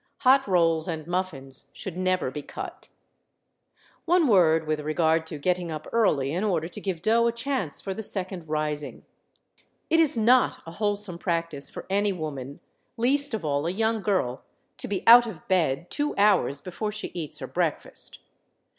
Hot rolls and muffins should never be cut. One word with regard to getting up early in order to give dough a chance for the second rising. It is not a wholesome practice for any woman—least of all a young girl to be out of bed two hours before she eats her breakfast.